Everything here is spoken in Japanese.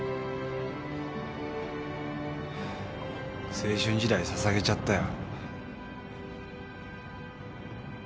青春時代ささげちゃったよ。